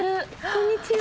こんにちは。